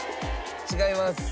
違います。